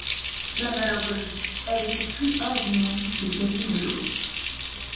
La malheureuse! elle était plus hors du monde que Quasimodo !